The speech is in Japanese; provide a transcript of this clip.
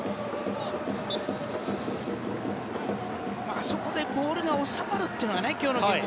あそこでボールが収まるというのが今日のゲーム